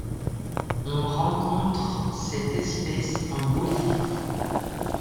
On rencontre cette espèce en Bolivie.